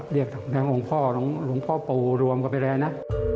เรียกทั้งหลวงพ่อหลวงพ่อปู่รวมกันไปแล้วนะ